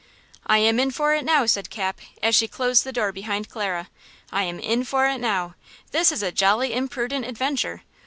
"I am in for it now!" said Cap, as she closed the door behind Clara; "I am in for it now! This is a jolly imprudent adventure!